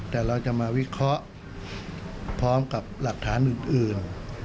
แต่เราจะมาวิเคราะห์พร้อมกับหลักฐานอื่น